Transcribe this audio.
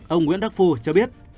ông nguyễn đắc phu cho biết